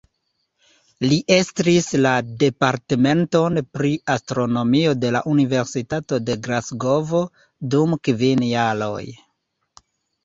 Li estris la Departementon pri astronomio de la Universitato de Glasgovo dum kvin jaroj.